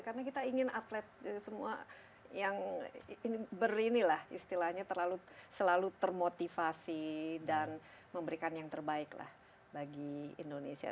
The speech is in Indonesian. karena kita ingin atlet semua yang beristilahnya selalu termotivasi dan memberikan yang terbaik lah bagi indonesia